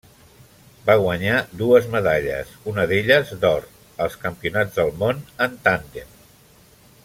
Va guanyar dues medalles, una d'elles d'or, als Campionats del món en tàndem.